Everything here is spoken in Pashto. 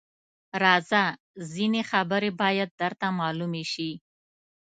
_راځه! ځينې خبرې بايد درته مالومې شي.